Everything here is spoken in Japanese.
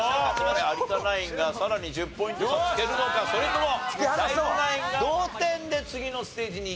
有田ナインがさらに１０ポイント差をつけるのかそれともＤＡＩＧＯナインが同点で次のステージにいけるんでしょうか？